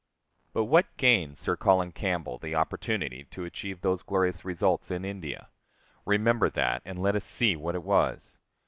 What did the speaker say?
But what gained Sir Colin Campbell the opportunity to achieve those glorious results in India? Remember that, and let us see what it was.